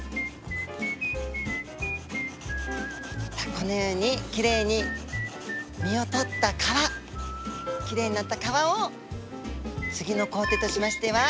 このようにきれいに身を取った皮きれいになった皮を次の工程としましてはなめして。